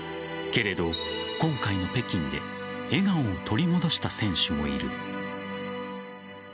けれど、今回の北京で笑顔を取り戻した選手もいる。